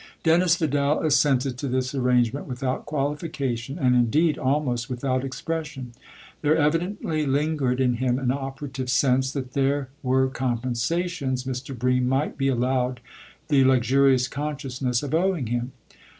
Dennis Vidal assented to this arrangement without qualification and indeed almost without expression : there evidently lingered in him an operative sense 206 THE OTHER HOUSE that there were compensations Mr. Bream might be allowed the luxurious consciousness of owing him.